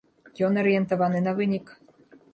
Ён арыентаваны на вынік.